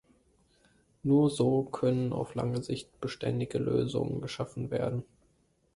Nur so können auf lange Sicht beständige Lösungen geschaffen werden.